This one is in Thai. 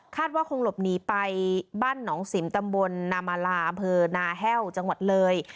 ว่าคงหลบหนีไปบ้านหนองสิมตำบลนามาลาอำเภอนาแห้วจังหวัดเลย